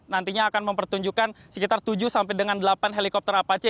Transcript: nantinya akan mempertunjukkan sekitar tujuh sampai dengan delapan helikopter apache